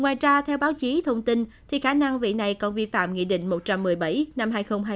ngoài ra theo báo chí thông tin thì khả năng vị này còn vi phạm nghị định một trăm một mươi bảy năm hai nghìn hai mươi